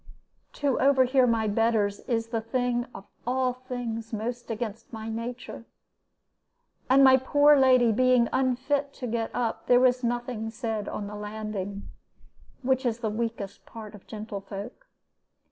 "To overhear my betters is the thing of all things most against my nature; and my poor lady being unfit to get up, there was nothing said on the landing, which is the weakest part of gentlefolks.